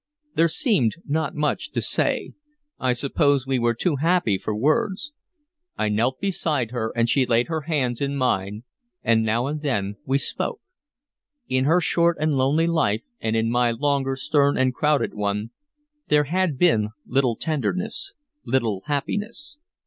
There seemed not much to say: I suppose we were too happy for words. I knelt beside her, and she laid her hands in mine, and now and then we spoke. In her short and lonely life, and in my longer stern and crowded one, there had been little tenderness, little happiness.